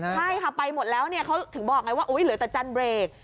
ใช่ค่ะไปหมดแล้วเนี่ยเขาถึงบอกไงว่าเหลือแต่จันเบรก